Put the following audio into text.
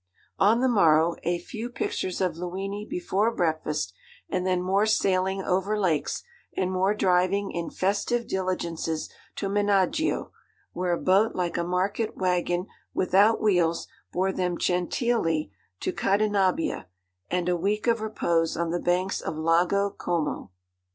On the morrow a few pictures of Luini before breakfast, and then more sailing over lakes, and more driving in festive diligences to Menaggio, where a boat like a market waggon without wheels bore them genteelly to Cadenabbia, and a week of repose on the banks of Lago Como.